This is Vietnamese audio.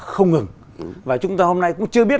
không ngừng và chúng ta hôm nay cũng chưa biết